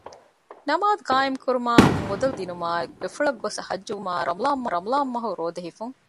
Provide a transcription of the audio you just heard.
ނަމާދު ޤާއިމު ކުރުމާއި މުދަލު ޒަކާތް ދިނުމާއި ގެފުޅަށް ގޮސް ޙައްޖުވުމާއި ރަމަޟާން މަހުގެ ރޯދަ ހިފުން